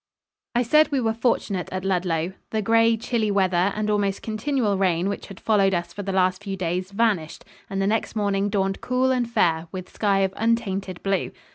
I said we were fortunate at Ludlow. The gray, chilly weather and almost continual rain which had followed us for the last few days vanished and the next morning dawned cool and fair, with sky of untainted blue.